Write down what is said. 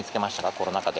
コロナ禍で。